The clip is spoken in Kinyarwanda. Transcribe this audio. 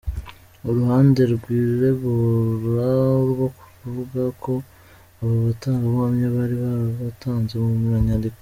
Uruhande rwiregura rwo ruvuga ko aba batangabuhamya bari barabatanze no mu nyandiko.